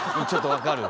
分かるよ。